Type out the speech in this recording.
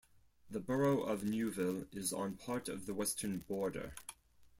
The borough of Newville is on part of the western border.